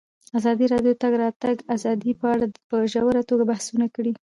ازادي راډیو د د تګ راتګ ازادي په اړه په ژوره توګه بحثونه کړي.